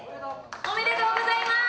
おめでとうございます！